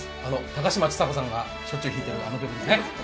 高嶋ちさ子さんがしょっちゅう弾いているあの曲ですね。